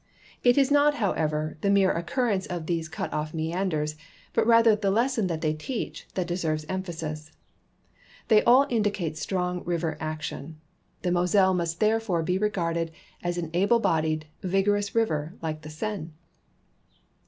It is not, however, the mere occurrence of these cut off meanders, but rather the lesson that they teach, that deserves emphasis. They all indicate strong river action. The Moselle must therefore be regarded as an able bodied, vigorous river, like the Seine.